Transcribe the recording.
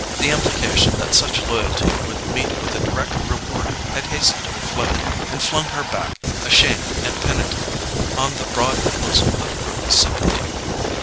The implication that such loyalty would meet with a direct reward had hastened her flight, and flung her back, ashamed and penitent, on the broad bosom of Gerty's sympathy.